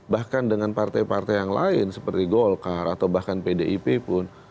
bahkan dengan partai partai yang lain seperti golkar atau bahkan pdip pun